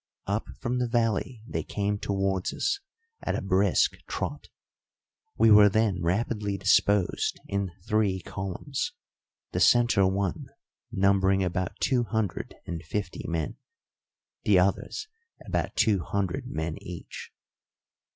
Up from the valley they came towards us at a brisk trot. We were then rapidly disposed in three columns, the centre one numbering about two hundred and fifty men, the others about two hundred men each.